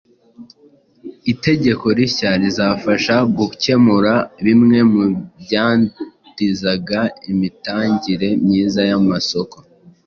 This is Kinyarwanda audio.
Itegeko rishya rizafasha gukemura bimwe mu byadindizaga imitangire myiza y’amasoko